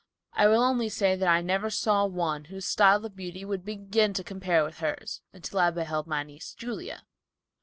I will only say that I never saw one, whose style of beauty would begin to compare with hers, until I beheld my niece, Julia."